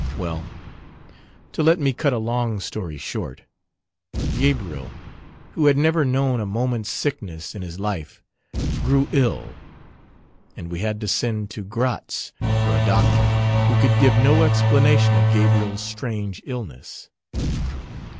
Well, to let me cut a long story short, Gabriel, who had never known a moment's sickness in his life, grew ill: and we had to send to Gratz for a doctor, who could give no explanation of Gabriel's strange illness.